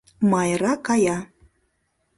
Майра кая.